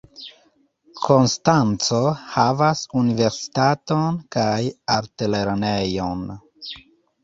Konstanco havas universitaton kaj altlernejon.